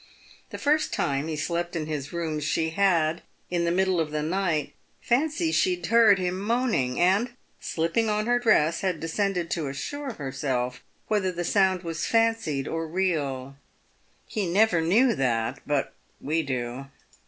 The first time he slept in his rooms she had, in the middle of the night, fancied she heard him moan ing, and, slipping on her dress, had descended to assure herself whe ther the sound was fancied or real. He never knew that — but we do.